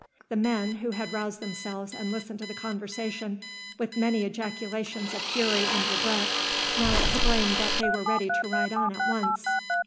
The men, who had roused themselves and listened to the conversation with many ejaculations of fury and regret, now exclaimed that they were ready to ride on at once.